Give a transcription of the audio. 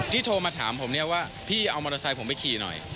โทรมาถามผมเนี่ยว่าพี่เอามอเตอร์ไซค์ผมไปขี่หน่อย